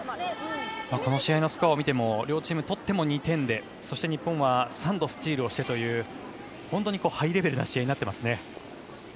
この試合のスコアを見ても両チーム、取っても２点で、そして日本は３度スチールをしてという本当にハイレベルな試合になってますね。